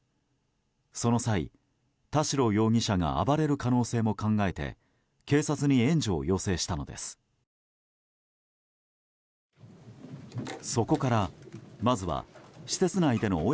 その際、田代容疑者が暴れる可能性も考えて警察に援助を要請したのです。